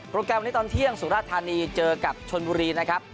แกรมวันนี้ตอนเที่ยงสุราธานีเจอกับชนบุรีนะครับ